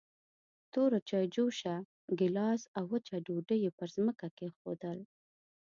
توره چايجوشه، ګيلاس او وچه ډوډۍ يې پر ځمکه کېښودل.